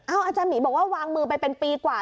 อาจารย์หมีบอกว่าวางมือไปเป็นปีกว่า